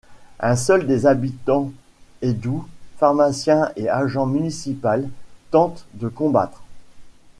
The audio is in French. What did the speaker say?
Un seul des habitants, Hédou, pharmacien et agent municipal, tente de combattre.